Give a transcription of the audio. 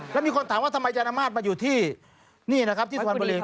แล้วมีคนถามว่าทำไมยานมาตรมาอยู่ที่นี่นะครับที่สุพรรณบุรี